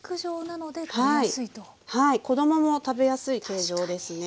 はい子供も食べやすい形状ですね。